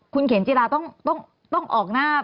คุณเขมจิราต้องออกหน้า